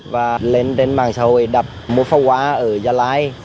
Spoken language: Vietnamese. và lên trên mạng xã hội đặt mua pháo hoa ở gia lai